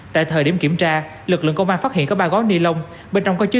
tại thời điểm kiểm tra lực lượng công an phát hiện có ba gói ni lông bên trong có chứa